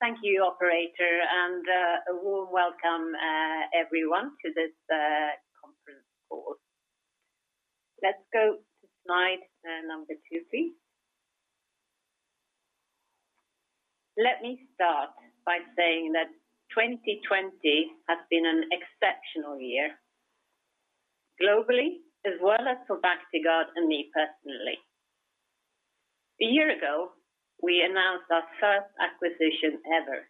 Thank you operator. A warm welcome everyone to this conference call. Let's go to slide number two, please. Let me start by saying that 2020 has been an exceptional year globally, as well as for Bactiguard and me personally. A year ago, we announced our first acquisition ever.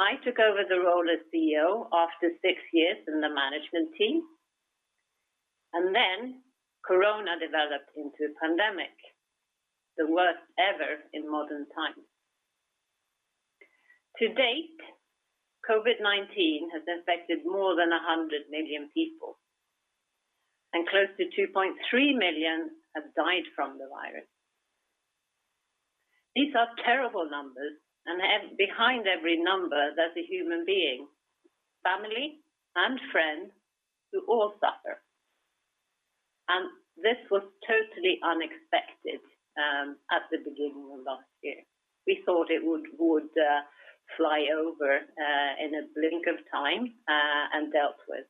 I took over the role as CEO after six years in the management team. Then corona developed into a pandemic, the worst ever in modern time. To date, COVID-19 has infected more than 100 million people. Close to 2.3 million have died from the virus. These are terrible numbers. Behind every number, there's a human being, family and friend, who all suffer. This was totally unexpected at the beginning of last year. We thought it would fly over in a blink of time and dealt with.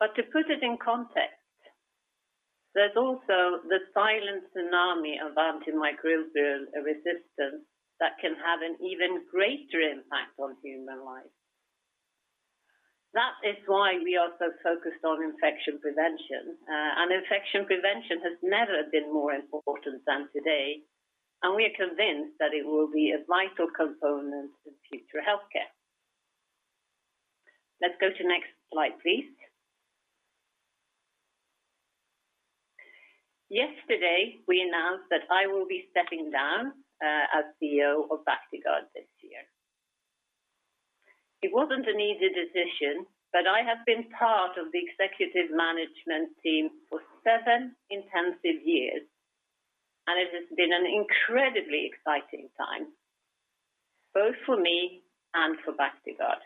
To put it in context, there's also the silent tsunami of antimicrobial resistance that can have an even greater impact on human life. That is why we are so focused on infection prevention. Infection prevention has never been more important than today, and we are convinced that it will be a vital component of future healthcare. Let's go to next slide, please. Yesterday, we announced that I will be stepping down as CEO of Bactiguard this year. It wasn't an easy decision, but I have been part of the executive management team for seven intensive years, and it has been an incredibly exciting time both for me and for Bactiguard.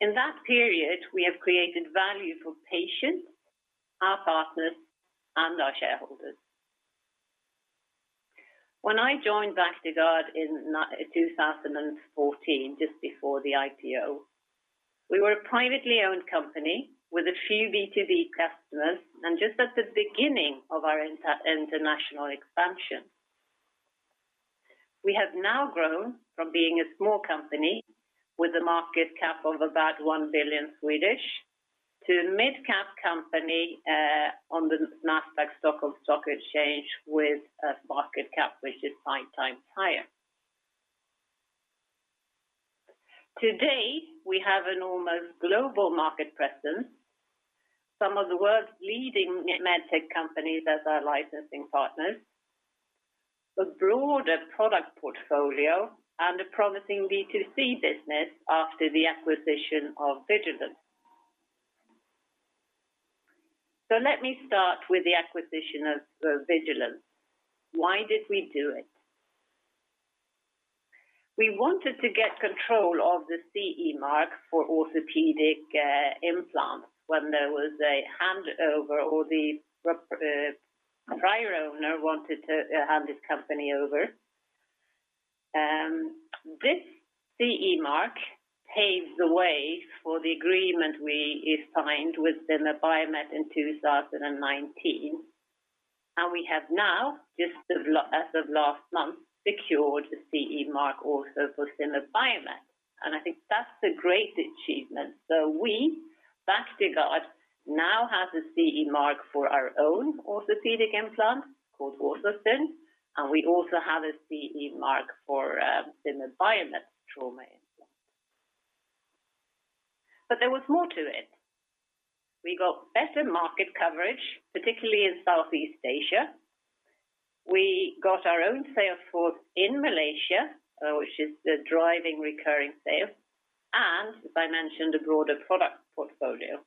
In that period, we have created value for patients, our partners, and our shareholders. When I joined Bactiguard in 2014, just before the IPO, we were a privately owned company with a few B2B customers and just at the beginning of our international expansion. We have now grown from being a small company with a market cap of about 1 billion to a mid-cap company on the Nasdaq Stockholm stock exchange with a market cap which is five times higher. Today, we have an almost global market presence. Some of the world's leading medtech companies as our licensing partners, a broader product portfolio, and a promising B2C business after the acquisition of Vigilenz. Let me start with the acquisition of Vigilenz. Why did we do it? We wanted to get control of the CE mark for orthopedic implants when there was a handover, or the prior owner wanted to hand his company over. This CE mark paves the way for the agreement we signed with Zimmer Biomet in 2019. We have now, just as of last month, secured the CE mark also for Zimmer Biomet, and I think that's a great achievement. We, Bactiguard, now have the CE mark for our own orthopedic implant called Orthosyn, and we also have a CE mark for Zimmer Biomet trauma implant. There was more to it. We got better market coverage, particularly in Southeast Asia. We got our own sales force in Malaysia, which is the driving recurring sale. As I mentioned, a broader product portfolio.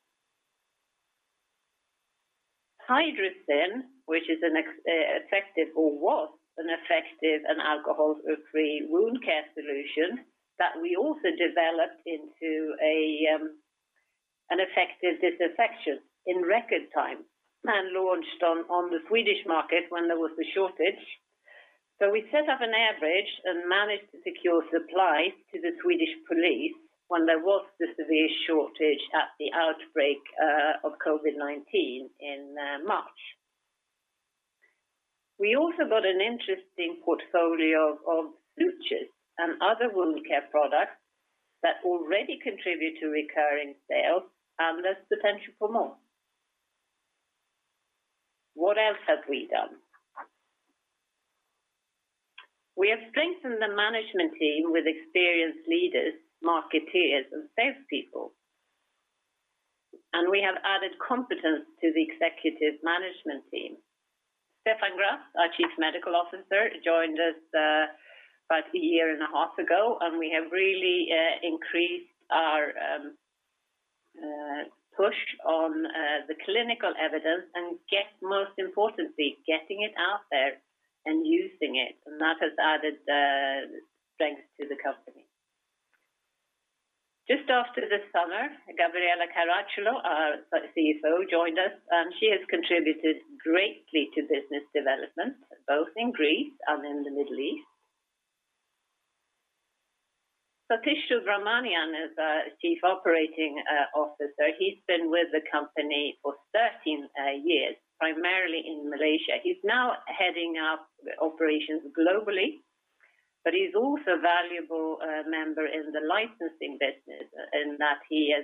HYDROCYN, which is an effective or was an effective and alcohol-free wound care solution that we also developed into an effective disinfection in record time and launched on the Swedish market when there was a shortage. We set up an air bridge and managed to secure supply to the Swedish police when there was the severe shortage at the outbreak of COVID-19 in March. We also got an interesting portfolio of sutures and other wound care products that already contribute to recurring sales and there's potential for more. What else have we done? We have strengthened the management team with experienced leaders, marketeers, and salespeople, and we have added competence to the executive management team. Stefan Grass, our Chief Medical Officer, joined us about one and a half years ago, and we have really increased our push on the clinical evidence and most importantly, getting it out there and using it. That has added strength to the company. Just after the summer, Gabriella Caracciolo, our CFO, joined us. She has contributed greatly to business development, both in Greece and in the Middle East. Satish Ramani is our Chief Operating Officer. He's been with the company for 13 years, primarily in Malaysia. He's now heading up operations globally, he's also a valuable member in the licensing business in that he has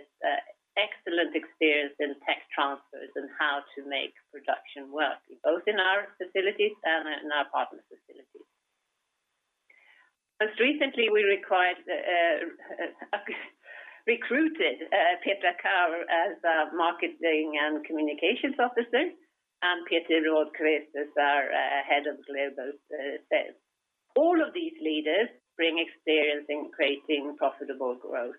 excellent experience in tech transfers and how to make production work, both in our facilities and in our partner facilities. Most recently, we recruited Petra Kaur as our Marketing and Communications Officer, and Peter Rådqvist as our Head of Global Sales. All of these leaders bring experience in creating profitable growth.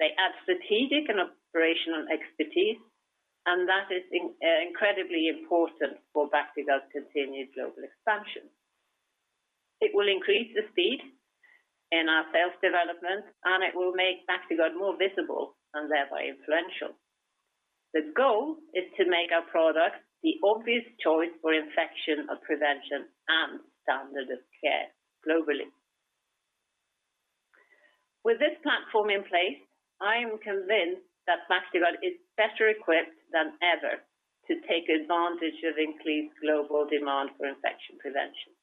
They add strategic and operational expertise, that is incredibly important for Bactiguard's continued global expansion. It will increase the speed in our sales development, it will make Bactiguard more visible and thereby influential. The goal is to make our product the obvious choice for infection prevention and standard of care globally. With this platform in place, I am convinced that Bactiguard is better equipped than ever to take advantage of increased global demand for infection prevention.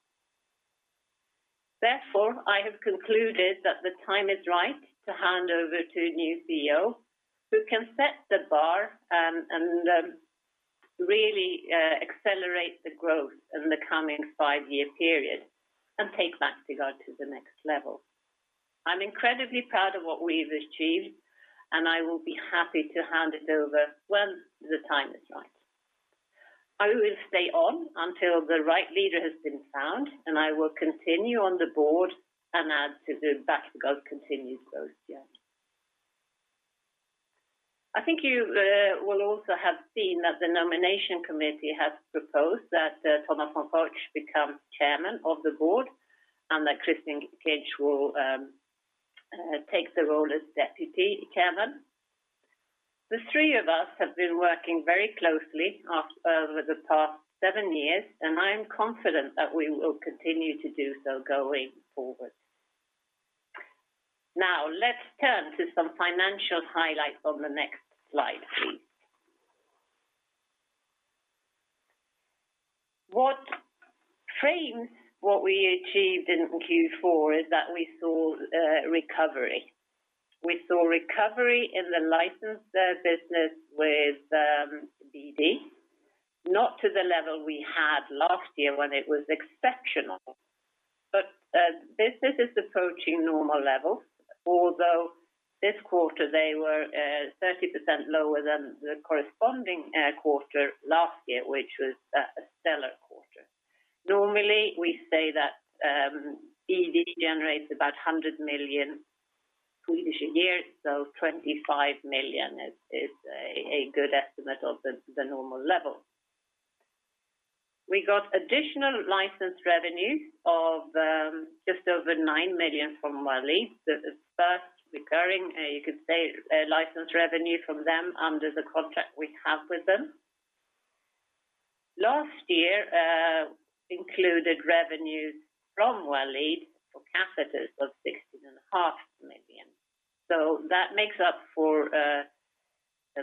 I have concluded that the time is right to hand over to a new CEO who can set the bar and really accelerate the growth in the coming five-year period and take Bactiguard to the next level. I'm incredibly proud of what we've achieved, and I will be happy to hand it over when the time is right. I will stay on until the right leader has been found, and I will continue on the board and add to the Bactiguard continued growth journey. I think you will also have seen that the nomination committee has proposed that Thomas von Koch becomes Chairman of the Board and that Christian Kinch will take the role as Deputy Chairman. The three of us have been working very closely over the past seven years, and I am confident that we will continue to do so going forward. Now, let's turn to some financial highlights on the next slide, please. What frames what we achieved in Q4 is that we saw recovery. We saw recovery in the licensed business with BD, not to the level we had last year when it was exceptional, but business is approaching normal levels, although this quarter they were 30% lower than the corresponding quarter last year, which was a stellar quarter. Normally, we say that BD generates about 100 million a year, so 25 million is a good estimate of the normal level. We got additional license revenue of just over 9 million from Well Lead. The first recurring, you could say, license revenue from them under the contract we have with them. Last year included revenues from Well Lead for catheters of 16.5 million. That makes up for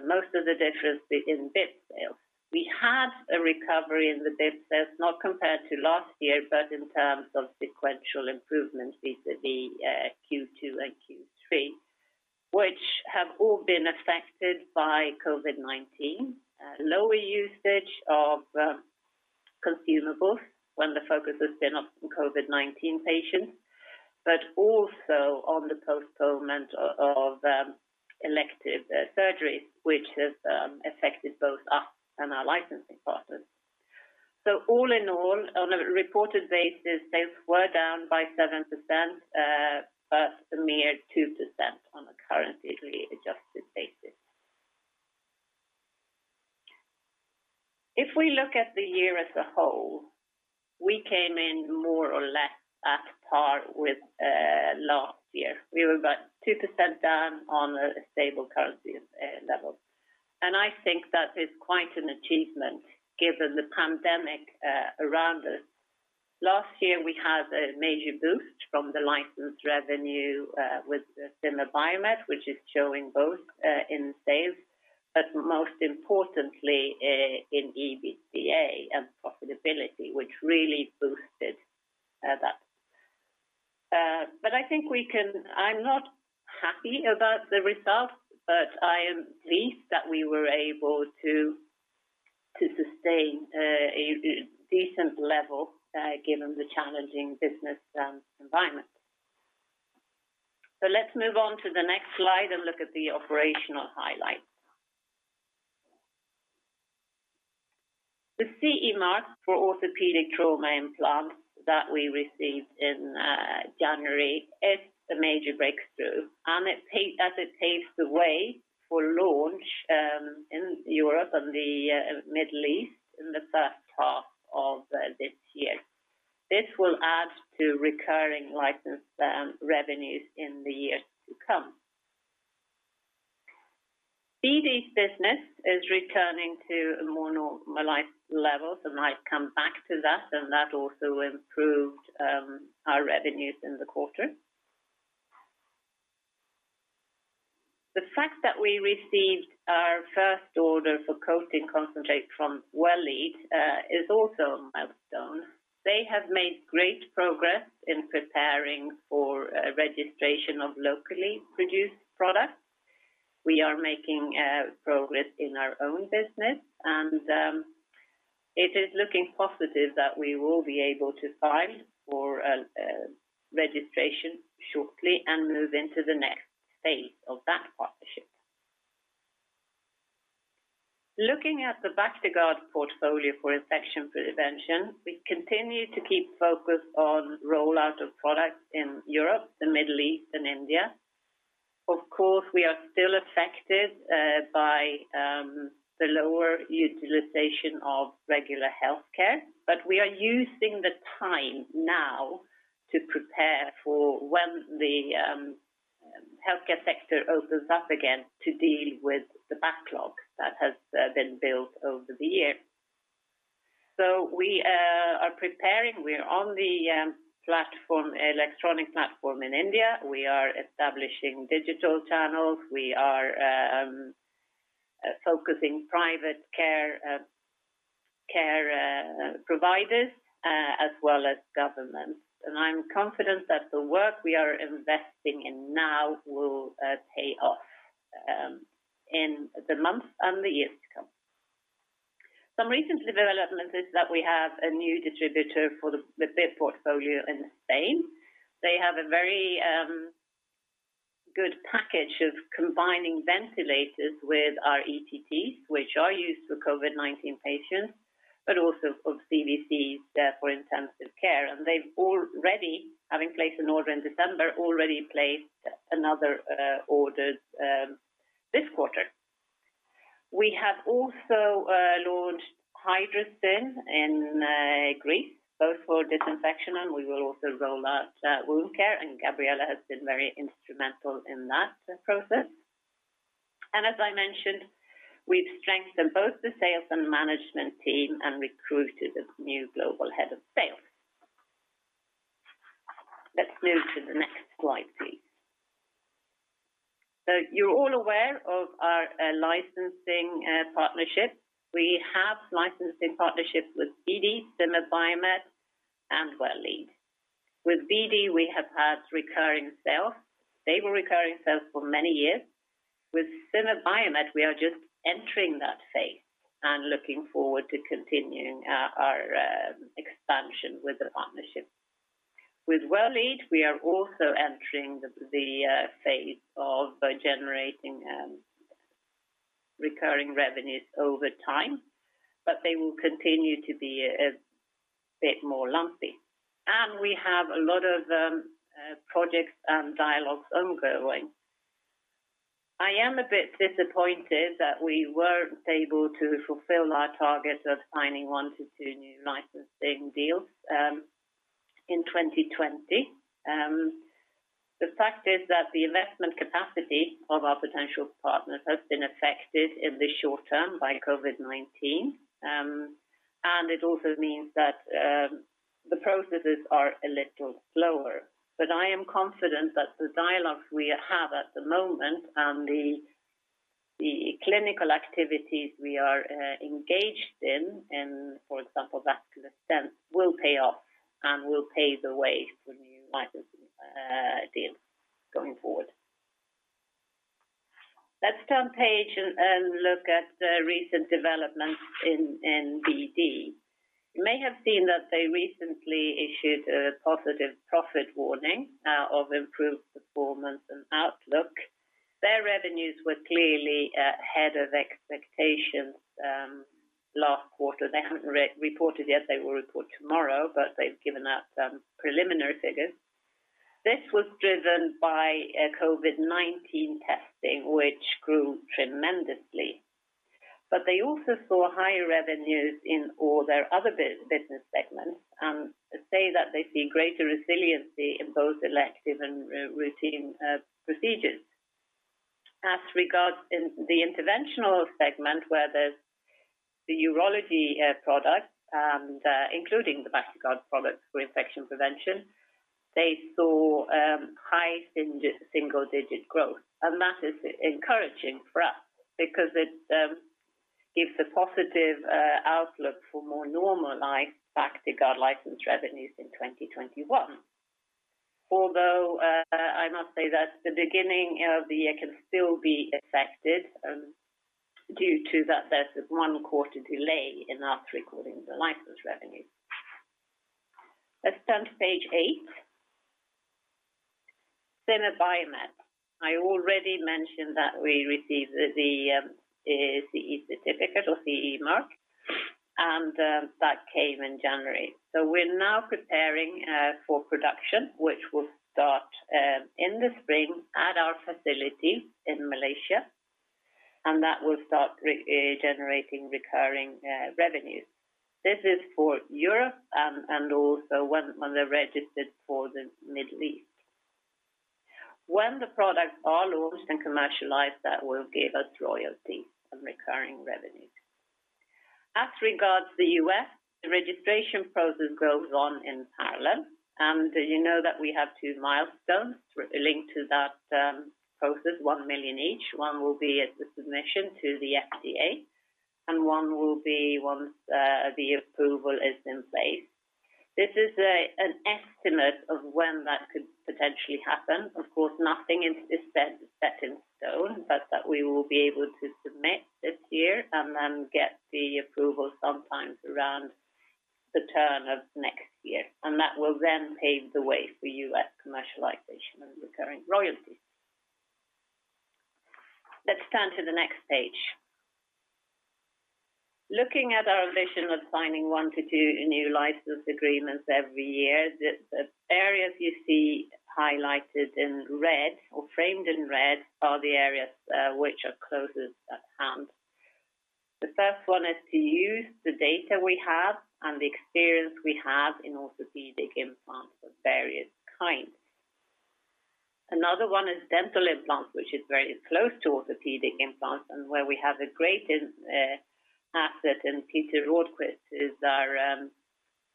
most of the difference in BIP sales. We have a recovery in the BIP sales, not compared to last year, but in terms of sequential improvements vis-à-vis Q2 and Q3, which have all been affected by COVID-19. Lower usage of consumables when the focus has been on COVID-19 patients, but also on the postponement of elective surgeries, which has affected both us and our licensing partners. All in all, on a reported basis, sales were down by 7%, but a mere 2% on a currency adjusted basis. If we look at the year as a whole, we came in more or less at par with last year. We were about 2% down on a stable currency level. I think that is quite an achievement given the pandemic around us. Last year, we had a major boost from the license revenue with Zimmer Biomet, which is showing both in sales, but most importantly in EBITDA and profitability, which really boosted that. I'm not happy about the results, but I am pleased that we were able to sustain a decent level given the challenging business environment. Let's move on to the next slide and look at the operational highlights. The CE mark for orthopedic trauma implants that we received in January is a major breakthrough, and it paves the way for launch in Europe and the Middle East in the first half of this year. This will add to recurring license revenues in the years to come. BD's business is returning to more normalized levels and might come back to that, and that also improved our revenues in the quarter. The fact that we received our first order for coating concentrate from Well Lead is also a milestone. They have made great progress in preparing for registration of locally produced products. We are making progress in our own business, it is looking positive that we will be able to file for registration shortly and move into the next phase of that partnership. Looking at the Bactiguard portfolio for infection prevention, we continue to keep focused on rollout of products in Europe, the Middle East, and India. Of course, we are still affected by the lower utilization of regular healthcare. We are using the time now to prepare for when the healthcare sector opens up again to deal with the backlog that has been built over the year. We are preparing. We are on the electronic platform in India. We are establishing digital channels. We are focusing private care providers, as well as government. I'm confident that the work we are investing in now will pay off in the months and the years to come. Some recent development is that we have a new distributor for the BIP portfolio in Spain. They have a very good package of combining ventilators with our ETTs, which are used for COVID-19 patients, but also of CVCs there for intensive care. They've already, having placed an order in December, already placed another order this quarter. We have also launched HYDROCYN in Greece, both for disinfection and we will also roll out wound care, Gabriella has been very instrumental in that process. As I mentioned, we've strengthened both the sales and management team and recruited a new global head of sales. Let's move to the next slide, please. You're all aware of our licensing partnership. We have licensing partnerships with BD, Zimmer Biomet, and Well Lead. With BD, we have had recurring sales. Stable recurring sales for many years. With Zimmer Biomet, we are just entering that phase and looking forward to continuing our expansion with the partnership. With Well Lead, we are also entering the phase of generating recurring revenues over time, but they will continue to be a bit more lumpy. We have a lot of projects and dialogues ongoing. I am a bit disappointed that we weren't able to fulfill our target of signing one to two new licensing deals in 2020. The fact is that the investment capacity of our potential partners has been affected in the short term by COVID-19. It also means that the processes are a little slower. I am confident that the dialogues we have at the moment and the clinical activities we are engaged in, for example, vascular stents, will pay off and will pave the way for new licensing deals going forward. Let's turn page and look at recent developments in BD. You may have seen that they recently issued a positive profit warning of improved performance and outlook. Their revenues were clearly ahead of expectations last quarter. They haven't reported yet. They will report tomorrow, but they've given out some preliminary figures. This was driven by COVID-19 testing, which grew tremendously. They also saw higher revenues in all their other business segments and say that they see greater resiliency in both elective and routine procedures. As regards in the interventional segment, where there's the urology product and including the Bactiguard products for infection prevention, they saw high-single-digit growth, and that is encouraging for us because it gives a positive outlook for more normalized Bactiguard license revenues in 2021. Although, I must say that the beginning of the year can still be affected due to that there's one quarter delay in us recording the license revenue. Let's turn to page eight. Zimmer Biomet. I already mentioned that we received the CE certificate or CE mark, and that came in January. We're now preparing for production, which will start in the spring at our facility in Malaysia. That will start generating recurring revenues. This is for Europe and also when they're registered for the Middle East. When the products are launched and commercialized, that will give us royalties and recurring revenues. As regards the U.S., the registration process goes on in parallel. You know that we have two milestones linked to that process, 1 million each. One will be at the submission to the FDA. One will be once the approval is in place. This is an estimate of when that could potentially happen. Of course, nothing is set in stone, that we will be able to submit this year. Then get the approval sometime around the turn of next year. That will then pave the way for U.S. commercialization and recurring royalties. Let's turn to the next page. Looking at our vision of signing one to two new license agreements every year, the areas you see highlighted in red or framed in red are the areas which are closest at hand. The first one is to use the data we have and the experience we have in orthopedic implants of various kinds. Another one is dental implants, which is very close to orthopedic implants and where we have a great asset in Peter Rådqvist, is our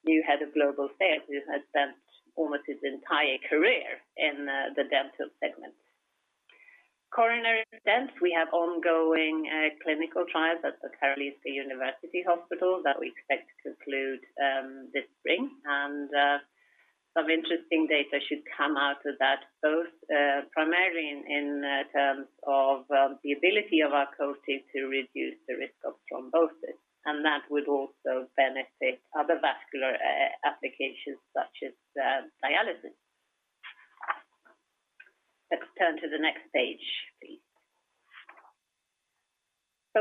new Head of Global Sales, who has spent almost his entire career in the dental segment. Coronary stents, we have ongoing clinical trials at the Karolinska University Hospital that we expect to conclude this spring. Some interesting data should come out of that, both primarily in terms of the ability of our coating to reduce the risk of thrombosis, and that would also benefit other vascular applications such as dialysis. Let's turn to the next page, please.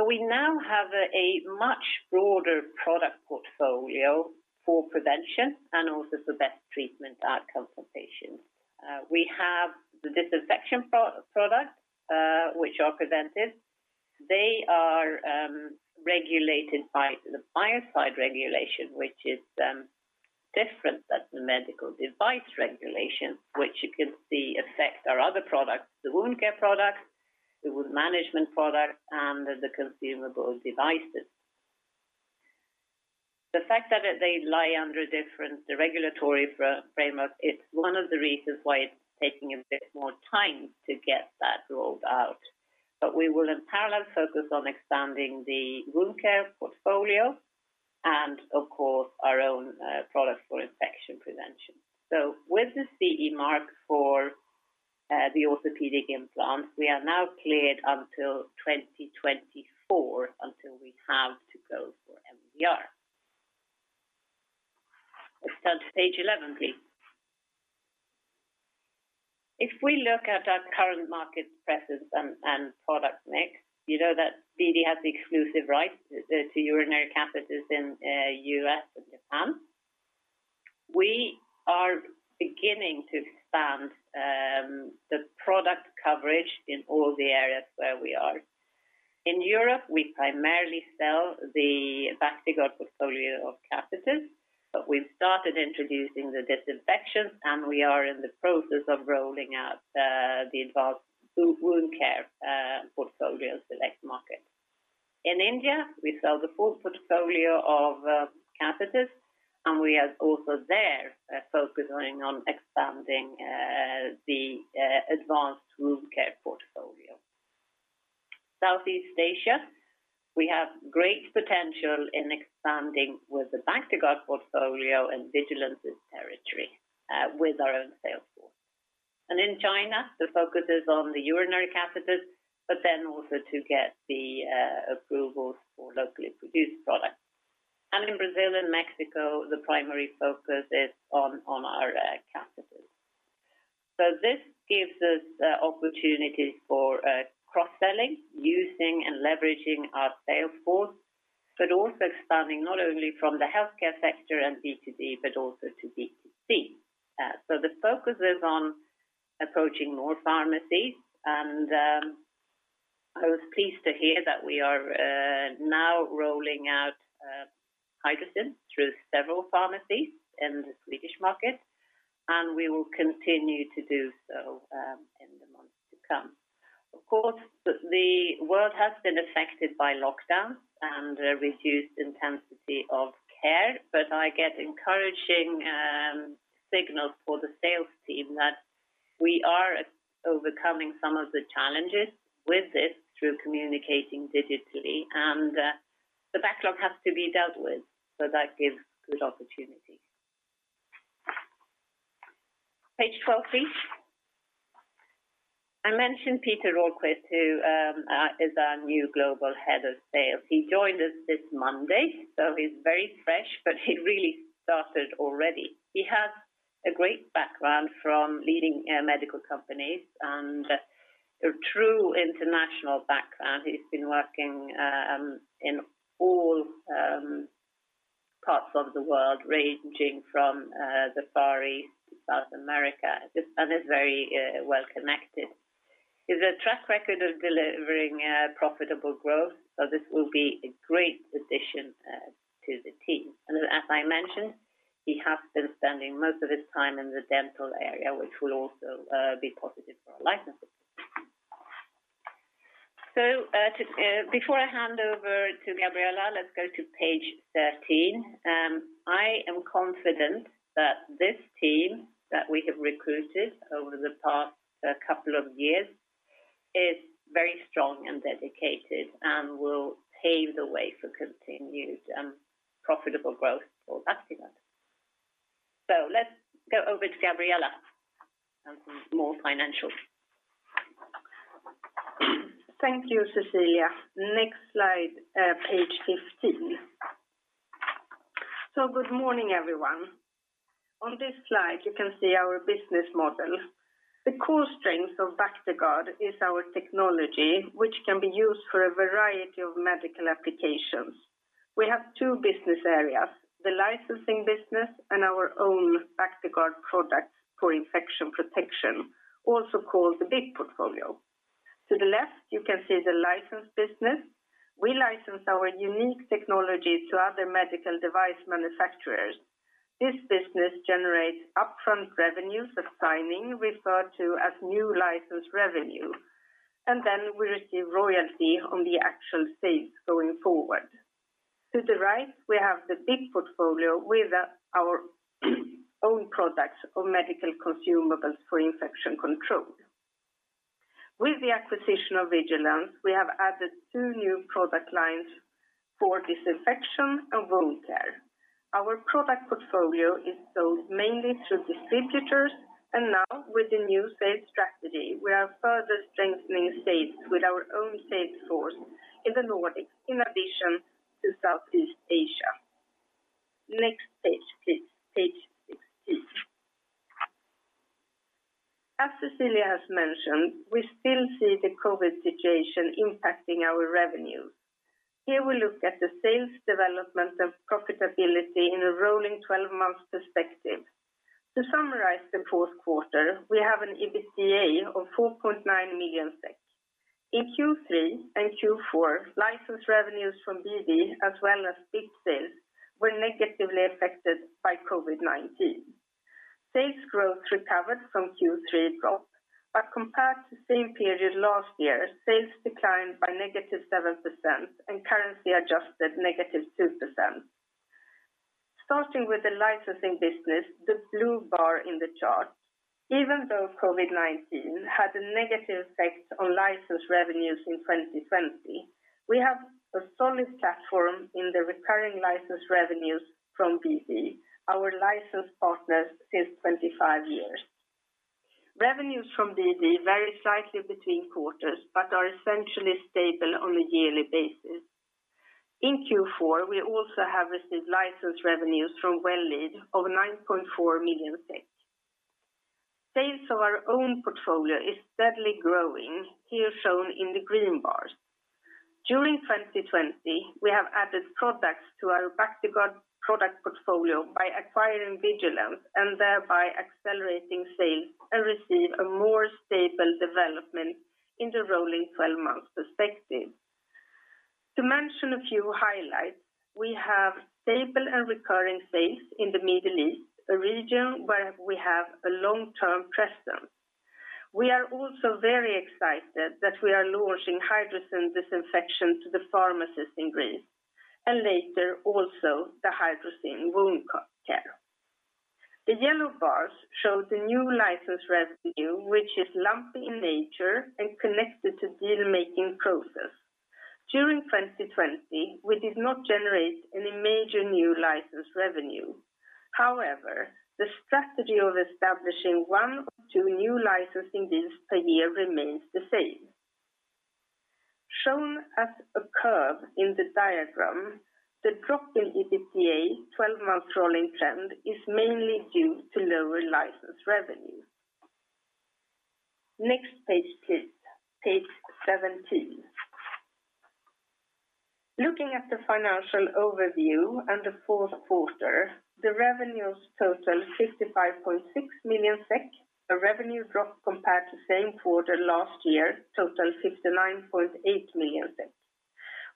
We now have a much broader product portfolio for prevention and also for best treatment outcome for patients. We have the disinfection products which are preventive. They are regulated by the Biocidal Regulation, which is different than the Medical Device Regulation, which you can see affects our other products, the wound care products, the wound management products, and the consumable devices. The fact that they lie under a different regulatory framework is one of the reasons why it's taking a bit more time to get that rolled out. We will in parallel focus on expanding the wound care portfolio and, of course, our own product for infection prevention. With the CE mark for the orthopedic implants, we are now cleared until 2024 until we have to go for MDR. Let's turn to page 11, please. If we look at our current market presence and product mix, you know that BD has the exclusive rights to urinary catheters in U.S. and Japan. We are beginning to expand the product coverage in all the areas where we are. In Europe, we primarily sell the Bactiguard portfolio of catheters, but we've started introducing the disinfection, and we are in the process of rolling out the advanced wound care portfolio in select markets. In India, we sell the full portfolio of catheters, and we are also there focusing on expanding the advanced wound care portfolio. Southeast Asia, we have great potential in expanding with the Bactiguard portfolio in Vigilenz's territory with our own sales force. In China, the focus is on the urinary catheters, but then also to get the approvals for locally produced products. In Brazil and Mexico, the primary focus is on our catheters. This gives us opportunities for cross-selling, using and leveraging our sales force, but also expanding not only from the healthcare sector and B2B, but also to B2C. The focus is on approaching more pharmacies, and I was pleased to hear that we are now rolling out HYDROCYN through several pharmacies in the Swedish market, and we will continue to do so in the months to come. Of course, the world has been affected by lockdowns and a reduced intensity of care, but I get encouraging signals for the sales team that we are overcoming some of the challenges with this through communicating digitally, and the backlog has to be dealt with, so that gives good opportunity. Page 12, please. I mentioned Peter Rådqvist, who is our new Global Head of Sales. He joined us this Monday, so he's very fresh, but he really started already. He has a great background from leading medical companies and a true international background. He's been working in all parts of the world ranging from the Far East to South America. Is very well connected. He has a track record of delivering profitable growth. This will be a great addition to the team. As I mentioned, he has been spending most of his time in the dental area, which will also be positive for our licenses. Before I hand over to Gabriella, let's go to page 13. I am confident that this team that we have recruited over the past couple of years is very strong and dedicated and will pave the way for continued profitable growth for Bactiguard. Let's go over to Gabriella and some more financials. Thank you, Cecilia. Next slide, page 15. Good morning, everyone. On this slide, you can see our business model. The core strength of Bactiguard is our technology, which can be used for a variety of medical applications. We have two business areas, the licensing business and our own Bactiguard products for infection protection, also called the BIP portfolio. To the left, you can see the license business. We license our unique technology to other medical device manufacturers. This business generates upfront revenues at signing referred to as new license revenue, and then we receive royalty on the actual sales going forward. To the right, we have the BIP portfolio with our own products or medical consumables for infection control. With the acquisition of Vigilenz, we have added two new product lines for disinfection and wound care. Our product portfolio is sold mainly through distributors, and now with the new sales strategy, we are further strengthening sales with our own sales force in the Nordics, in addition to Southeast Asia. Next page, please. Page 16. As Cecilia has mentioned, we still see the COVID situation impacting our revenue. Here we look at the sales development and profitability in a rolling 12 months perspective. To summarize the fourth quarter, we have an EBITDA of 4.9 million. In Q3 and Q4, license revenues from BD as well as BIP sales were negatively affected by COVID-19. Sales growth recovered from Q3 drop, but compared to same period last year, sales declined by -7% and currency adjusted -2%. Starting with the licensing business, the blue bar in the chart. Even though COVID-19 had a negative effect on license revenues in 2020, we have a solid platform in the recurring license revenues from BD, our license partner since 25 years. Revenues from BD vary slightly between quarters but are essentially stable on a yearly basis. In Q4, we also have received license revenues from Well Lead of 9.4 million. Sales of our own portfolio is steadily growing, here shown in the green bars. During 2020, we have added products to our Bactiguard product portfolio by acquiring Vigilenz and thereby accelerating sales and receive a more stable development in the rolling 12 months perspective. To mention a few highlights, we have stable and recurring sales in the Middle East, a region where we have a long-term presence. We are also very excited that we are launching HYDROCYN disinfection to the pharmacist in Greece, and later also the HYDROCYN wound care. The yellow bars show the new license revenue, which is lumpy in nature and connected to deal-making process. During 2020, we did not generate any major new license revenue. However, the strategy of establishing one or two new licensing deals per year remains the same. Shown as a curve in the diagram, the drop in EBITDA 12-month rolling trend is mainly due to lower license revenue. Next page, please. Page 17. Looking at the financial overview and the fourth quarter, the revenues total 65.6 million SEK, a revenue drop compared to same quarter last year, total 59.8 million SEK.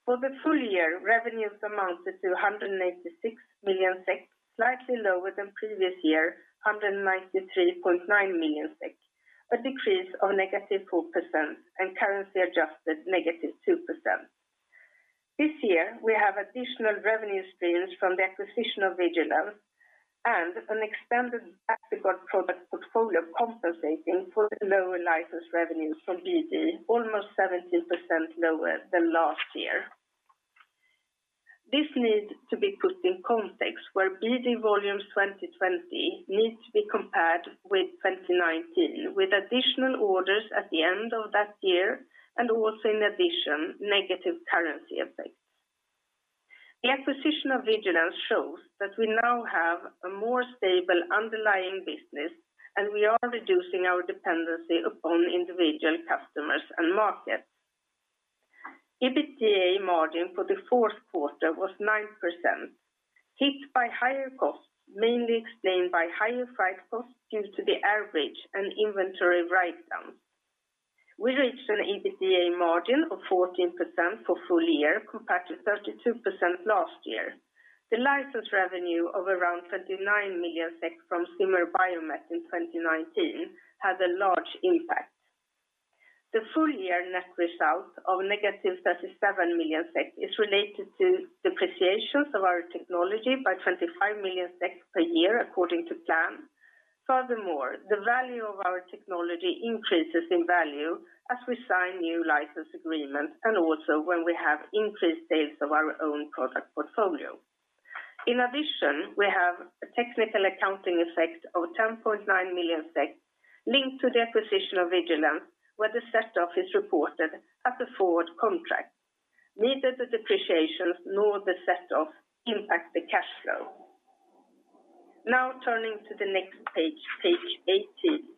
For the full year, revenues amounted to 186 million SEK, slightly lower than previous year, 193.9 million SEK, a decrease of -4% and currency adjusted -2%. This year, we have additional revenue streams from the acquisition of Vigilenz and an expanded Bactiguard product portfolio compensating for the lower license revenue from BD, almost 17% lower than last year. This needs to be put in context where BD volumes 2020 needs to be compared with 2019, with additional orders at the end of that year and also in addition, negative currency effects. The acquisition of Vigilenz shows that we now have a more stable underlying business, and we are reducing our dependency upon individual customers and markets. EBITDA margin for the fourth quarter was 9%, hit by higher costs, mainly explained by higher freight costs due to the air bridge and inventory write-down. We reached an EBITDA margin of 14% for full year compared to 32% last year. The license revenue of around 39 million SEK from Zimmer Biomet in 2019 had a large impact. The full-year net result of negative 37 million SEK is related to depreciations of our technology by 25 million SEK per year, according to plan. The value of our technology increases in value as we sign new license agreements and also when we have increased sales of our own product portfolio. We have a technical accounting effect of 10.9 million linked to the acquisition of Vigilenz, where the set-off is reported as a forward contract. Neither the depreciation nor the set-off impact the cash flow. Turning to the next page 18.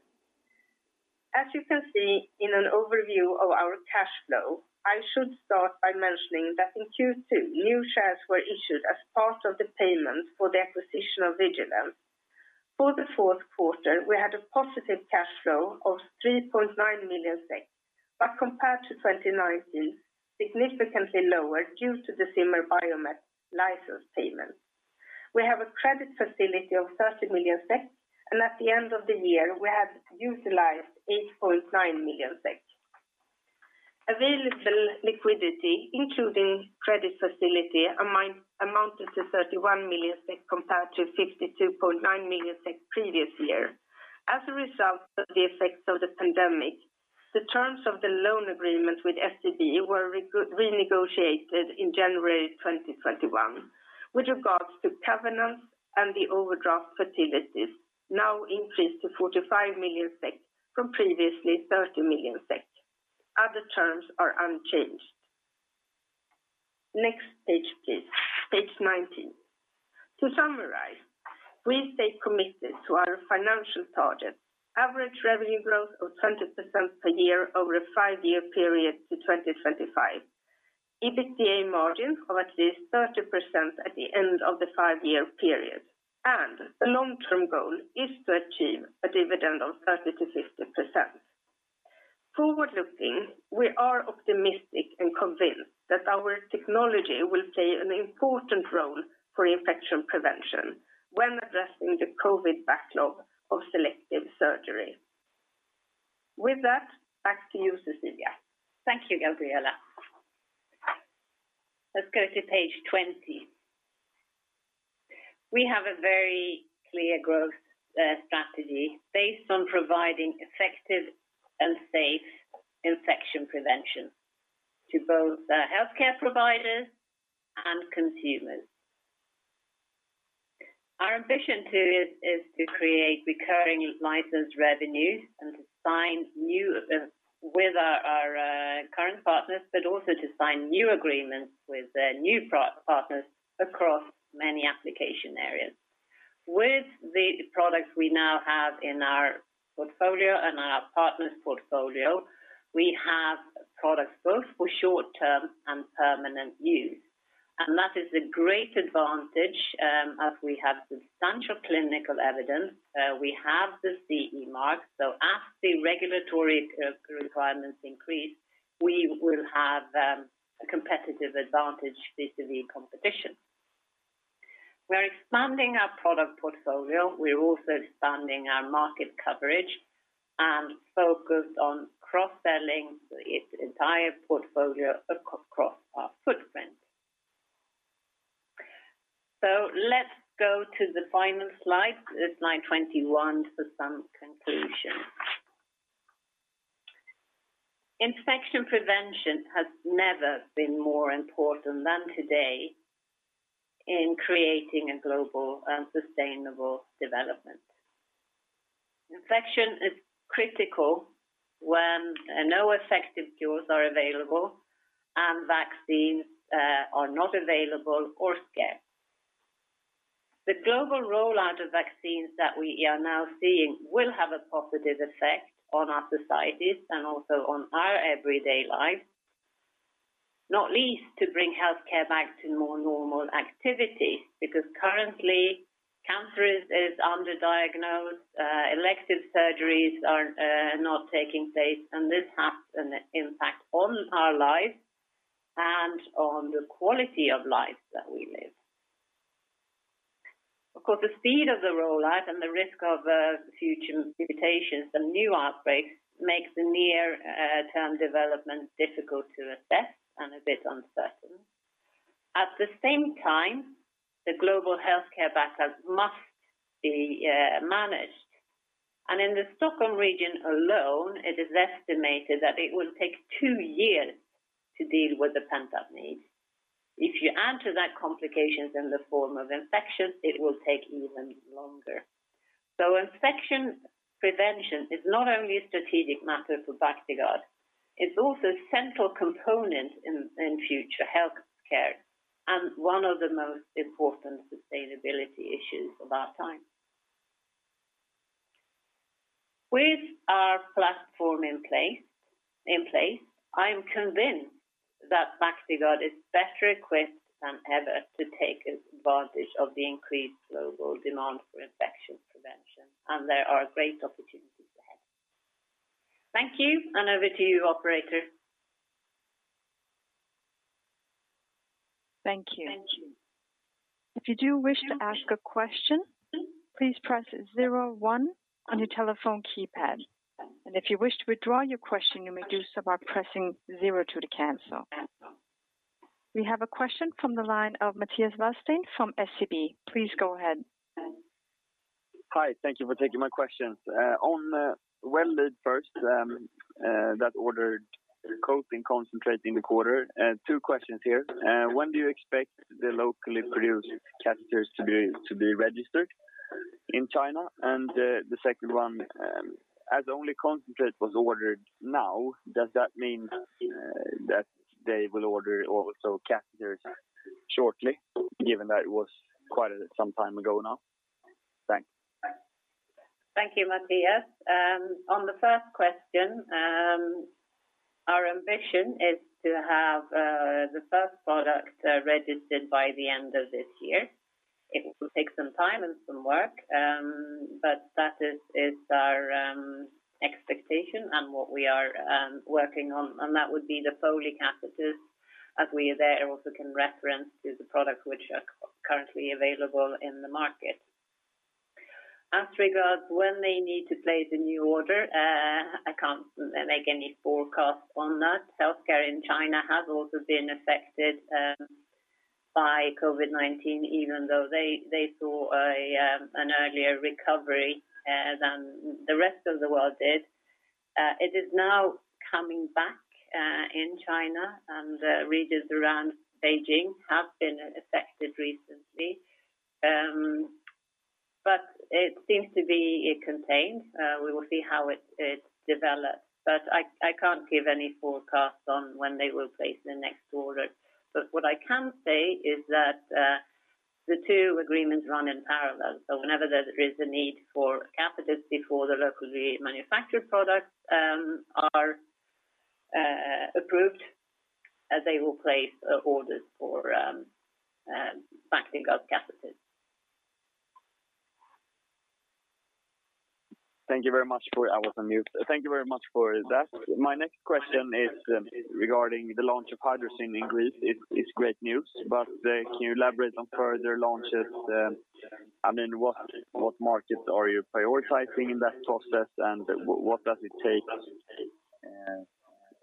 You can see in an overview of our cash flow, I should start by mentioning that in Q2, new shares were issued as part of the payment for the acquisition of Vigilenz. For the fourth quarter, we had a positive cash flow of 3.9 million, but compared to 2019, significantly lower due to the Zimmer Biomet license payment. We have a credit facility of 30 million, and at the end of the year, we had utilized 8.9 million. Available liquidity, including credit facility, amounted to 31 million compared to 32.9 million previous year. As a result of the effects of the pandemic, the terms of the loan agreement with SEB were renegotiated in January 2021 with regards to covenants and the overdraft facilities, now increased to 45 million from previously 30 million. Other terms are unchanged. Next page, please. Page 19. To summarize, we stay committed to our financial targets. Average revenue growth of 20% per year over a five-year period to 2025. EBITDA margin of at least 30% at the end of the five-year period, and the long-term goal is to achieve a dividend of 30%-50%. Forward-looking, we are optimistic and convinced that our technology will play an important role for infection prevention when addressing the COVID-19 backlog of selective surgery. With that, back to you, Cecilia. Thank you, Gabriella. Let's go to page 20. We have a very clear growth strategy based on providing effective and safe infection prevention to both our healthcare providers and consumers. Our ambition too is to create recurring license revenues and to sign with our current partners, but also to sign new agreements with new partners across many application areas. With the products we now have in our portfolio and our partners' portfolio, we have products both for short-term and permanent use. That is a great advantage as we have substantial clinical evidence. We have the CE mark. As the regulatory requirements increase, we will have a competitive advantage vis-à-vis competition. We're expanding our product portfolio. We're also expanding our market coverage and focused on cross-selling its entire portfolio across our footprint. Let's go to the final slide. It's slide 21 for some conclusions. Infection prevention has never been more important than today in creating a global and sustainable development. Infection is critical when no effective cures are available and vaccines are not available or scarce. The global rollout of vaccines that we are now seeing will have a positive effect on our societies and also on our everyday life. Not least to bring healthcare back to more normal activity, because currently, cancer is underdiagnosed, elective surgeries are not taking place, and this has an impact on our lives and on the quality of life that we live. Of course, the speed of the rollout and the risk of future mutations and new outbreaks makes the near-term development difficult to assess and a bit uncertain. At the same time, the global healthcare backup must be managed. In the Stockholm region alone, it is estimated that it will take two years to deal with the pent-up need. If you add to that complications in the form of infections, it will take even longer. Infection prevention is not only a strategic matter for Bactiguard, it's also a central component in future healthcare and one of the most important sustainability issues of our time. With our platform in place, I'm convinced that Bactiguard is better equipped than ever to take advantage of the increased global demand for infection prevention, and there are great opportunities ahead. Thank you, and over to you, operator. Thank you. If you do wish to ask a question, please press zero one on your telephone keypad. If you wish to withdraw your question, you may do so by pressing zero two to cancel. We have a question from the line of Mattias Vadsten from SEB. Please go ahead. Hi. Thank you for taking my questions. On Well Lead first, that ordered coating concentrate in the quarter, two questions here. When do you expect the locally produced catheters to be registered in China? The second one, as only concentrate was ordered now, does that mean that they will order also catheters shortly, given that it was quite some time ago now? Thanks. Thank you, Mattias. On the first question, our ambition is to have the first product registered by the end of this year. It will take some time and some work, but that is our expectation and what we are working on. That would be the Foley catheters as we there also can reference to the products which are currently available in the market. As regards when they need to place a new order, I can't make any forecast on that. Healthcare in China has also been affected by COVID-19, even though they saw an earlier recovery than the rest of the world did. It is now coming back in China, and regions around Beijing have been affected recently. It seems to be contained. We will see how it develops. I can't give any forecast on when they will place the next order. What I can say is that the two agreements run in parallel. Whenever there is a need for catheters before the locally manufactured products are approved, they will place orders for Bactiguard catheters. Thank you very much for I was on mute. Thank you very much for that. My next question is regarding the launch of HYDROCYN in Greece. It's great news. Can you elaborate on further launches? What markets are you prioritizing in that process, and what does it take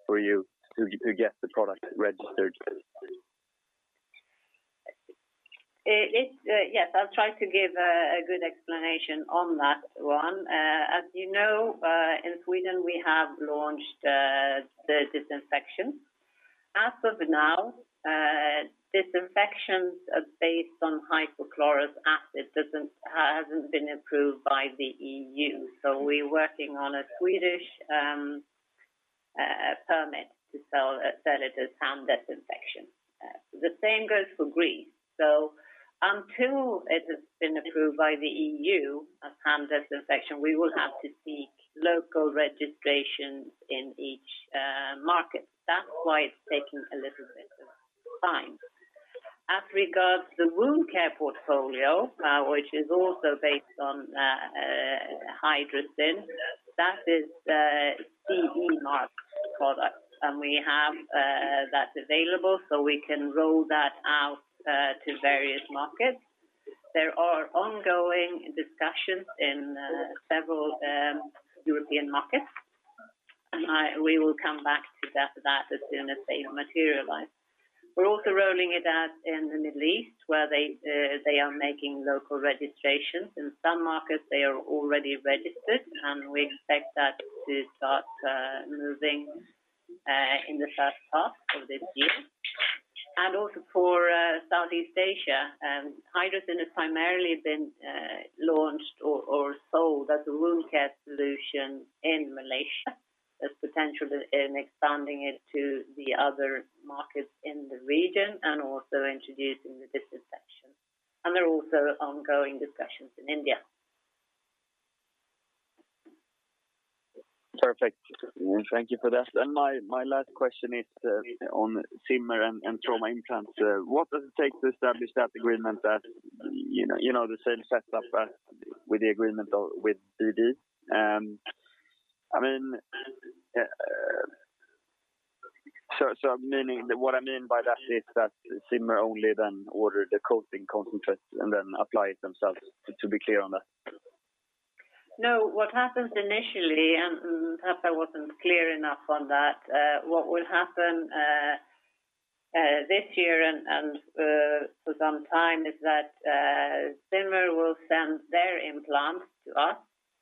for you to get the product registered? Yes, I'll try to give a good explanation on that one. As you know in Sweden we have launched the disinfection. As of now, disinfections based on hypochlorous acid hasn't been approved by the EU, so we're working on a Swedish permit to sell it as hand disinfection. The same goes for Greece. Until it has been approved by the EU as hand disinfection, we will have to seek local registrations in each market. That's why it's taking a little bit of time. As regards the wound care portfolio, which is also based on HYDROCYN, that is a CE mark product, and we have that available, so we can roll that out to various markets. There are ongoing discussions in several European markets. We will come back to that as soon as they materialize. We're also rolling it out in the Middle East, where they are making local registrations. In some markets, they are already registered, and we expect that to start moving in the first half of this year. Also for Southeast Asia, HYDROCYN has primarily been launched or sold as a wound care solution in Malaysia. There's potential in expanding it to the other markets in the region and also introducing the disinfection. There are also ongoing discussions in India. Perfect. Thank you for that. My last question is on Zimmer and trauma implants. What does it take to establish that agreement? You know the same setup as with the agreement with BD. What I mean by that is that Zimmer only then order the coating concentrate and then apply it themselves, to be clear on that. No, what happens initially, and perhaps I wasn't clear enough on that. What will happen this year and for some time is that Zimmer will send their implants to us,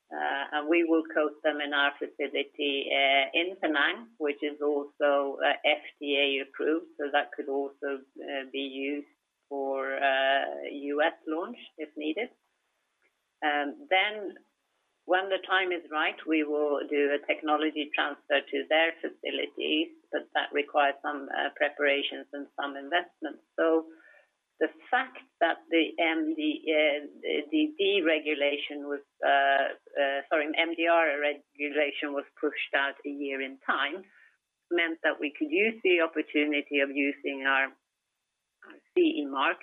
and we will coat them in our facility in Penang, which is also FDA-approved, so that could also be used for a U.S. launch if needed. Then when the time is right, we will do a technology transfer to their facilities, but that requires some preparations and some investment. The fact that the MDR regulation was pushed out a year in time meant that we could use the opportunity of using our CE mark,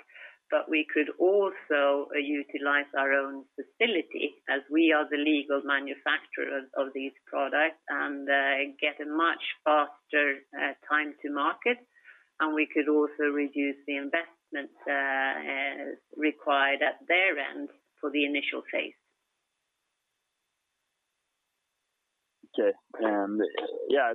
but we could also utilize our own facility as we are the legal manufacturer of these products and get a much faster time to market, and we could also reduce the investment required at their end for the initial phase. Okay.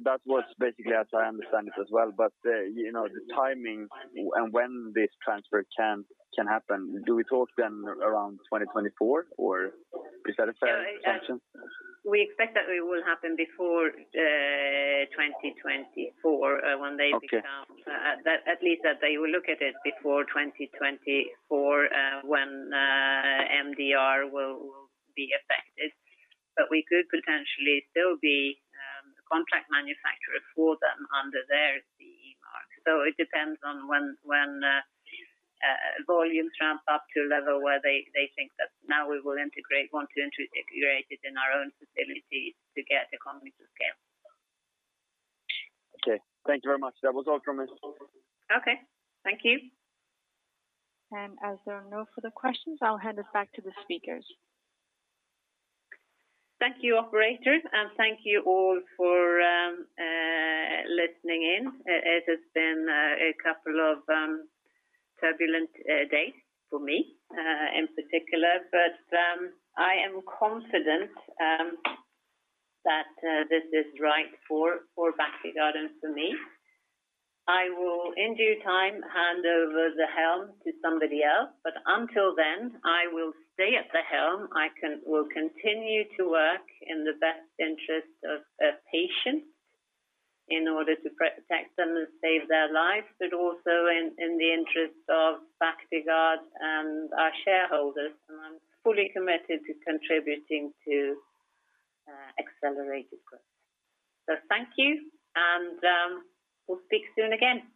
That was basically as I understand it as well. The timing and when this transfer can happen, do we talk then around 2024, or is that a fair assumption? We expect that it will happen before 2024. Okay. At least that they will look at it before 2024 when MDR will be effective. We could potentially still be contract manufacturer for them under their CE mark. It depends on when volumes ramp up to a level where they think that now we want to integrate it in our own facilities to get economies of scale. Okay. Thank you very much. That was all from me. Okay. Thank you. As there are no further questions, I'll hand it back to the speakers. Thank you, operator, and thank you all for listening in. It has been a couple of turbulent days for me in particular, but I am confident that this is right for Bactiguard and for me. I will, in due time, hand over the helm to somebody else, but until then, I will stay at the helm. I will continue to work in the best interest of patients in order to protect them and save their lives, but also in the interest of Bactiguard and our shareholders. I'm fully committed to contributing to accelerated growth. Thank you, and we'll speak soon again.